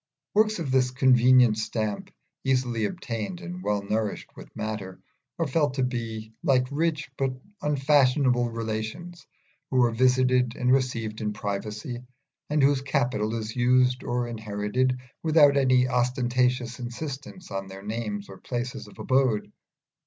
Works of this convenient stamp, easily obtained and well nourished with matter, are felt to be like rich but unfashionable relations who are visited and received in privacy, and whose capital is used or inherited without any ostentatious insistance on their names and places of abode.